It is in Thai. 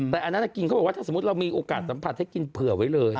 แต่อันนั้นกินเขาบอกว่าถ้าสมมุติเรามีโอกาสสัมผัสให้กินเผื่อไว้เลย